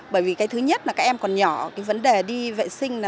bởi vì cái thứ nhất là các em còn nhỏ cái vấn đề đi vệ sinh